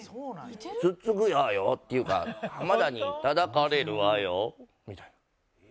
突っつくわよっていうか浜田にたたかれるわよみたいな。